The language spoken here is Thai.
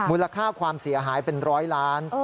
มูลค่าความเสียหายเป็นร้อยล้าน